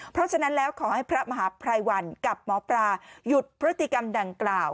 เพราะฉะนั้นแล้วขอให้พระมหาภัยวันกับหมอปลาหยุดพฤติกรรมดังกล่าว